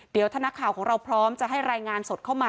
เดี๋ยวถ้านักข่าวของเราพร้อมจะให้รายงานสดเข้ามา